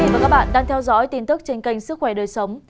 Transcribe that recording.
và các bạn đang theo dõi tin tức trên kênh sức khỏe đời sống